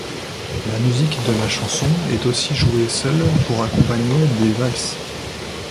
La musique de la chanson est aussi jouée seule pour accompagner des valses.